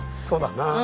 そうだな。